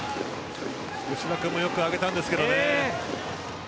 吉田君もよく上げたんですけどね。